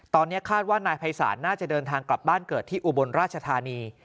ตอนนี้คาดว่านายภัยศาลน่าจะเดินทางกลับบ้านเกิดที่อุบลราชธานี